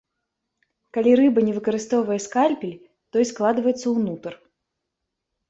Калі рыба не выкарыстоўвае скальпель, той складваецца ўнутр.